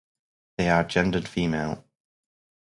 They are gendered female.